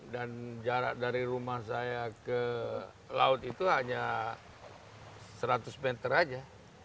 dan jarak dari rumah saya ke laut itu hanya seratus meter aja